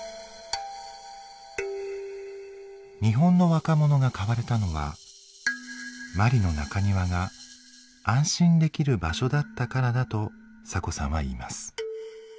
日本の若者が変われたのはマリの中庭が安心できる場所だったからだとサコさんは言います。